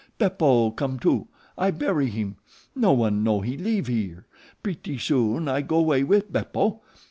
Beppo come too. I bury heem. No one know we leeve here. Pretty soon I go way with Beppo.